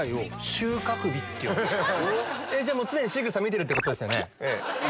じゃあ常にしぐさ見てるってことですよね。